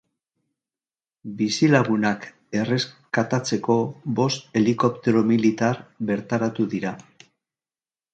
Bizilagunak erreskatatzeko bost helikoptero militar bertaratu dira.